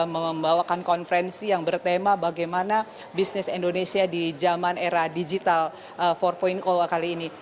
membawakan konferensi yang bertema bagaimana bisnis indonesia di zaman era digital empat kali ini